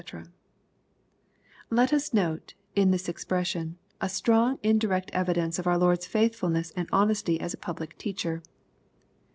] Let us note, in this ex pression, a strong indirect evidence of our Lord's faithfulness and honesty as a public teacher.